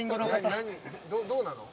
どうなの？